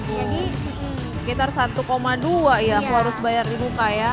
sekitar rp satu dua ya aku harus bayar di buka ya